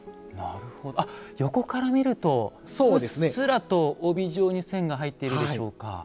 あっ横から見るとうっすらと帯状に線が入っているでしょうか。